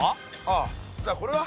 あじゃあこれは？